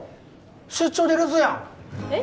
出張で留守やんえっ？